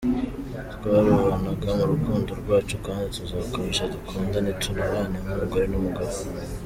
Twarubahanaga mu rukundo rwacu kandi tuzakomeza dukundane tutabana nk’umugore n’umugabo.